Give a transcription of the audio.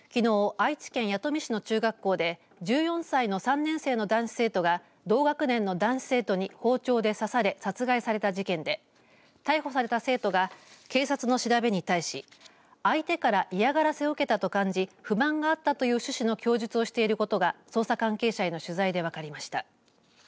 愛知県弥富市の中学校で１４歳の３年生の男子生徒が同学年の男子生徒に包丁で刺され殺害された事件で逮捕された生徒が警察の調べに対し相手から嫌がらせを受けたと感じ不満があったという趣旨の供述をしていることが捜査関係者への取材で分かりました。